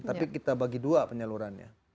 tapi kita bagi dua penyalurannya